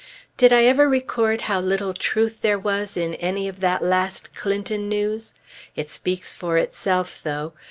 Did I ever record how little truth there was in any of that last Clinton news? It speaks for itself, though.